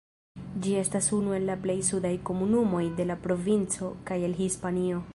Ĝi estas unu el la plej sudaj komunumoj de la provinco kaj el Hispanio.